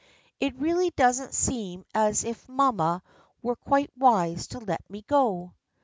It really doesn't seem as if mamma were quite wise to let me go."